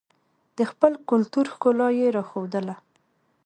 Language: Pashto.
د خپل کلتور ښکلا یې راښودله.